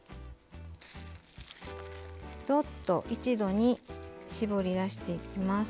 どっと一度に絞り出していきます。